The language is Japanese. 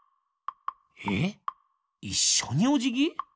えっいっしょにおじぎ！？